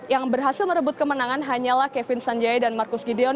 yang berhasil merebut kemenangan hanyalah kevin sanjaya dan marcus gideon